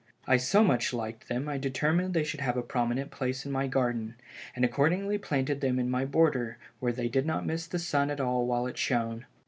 I so much liked them I determined they should have a prominent place in my garden, and accordingly planted them in my border where they did not miss the sun at all while it shone.